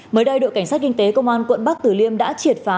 mới đây đội cảnh sát kinh tế công an quận bắc tử liêm đã triệt phá